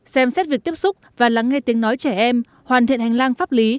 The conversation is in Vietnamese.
xem xét việc tiếp xúc và lắng nghe tiếng nói trẻ em hoàn thiện hành lang pháp lý